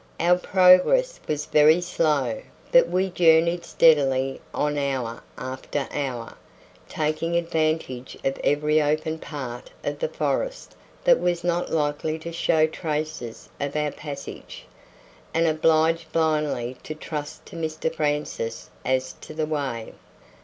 Our progress was very slow, but we journeyed steadily on hour after hour, taking advantage of every open part of the forest that was not likely to show traces of our passage, and obliged blindly to trust to Mr Francis as to the way.